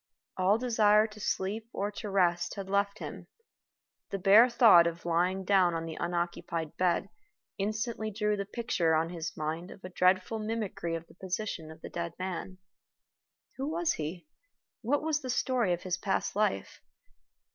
All desire to sleep or to rest had left him. The bare thought of lying down on the unoccupied bed instantly drew the picture on his mind of a dreadful mimicry of the position of the dead man. Who was he? What was the story of his past life?